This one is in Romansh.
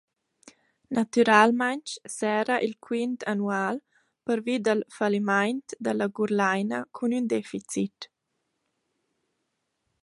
Natüralmaing serra il quint annual pervi dal fallimaint da la Gurlaina cun ün deficit.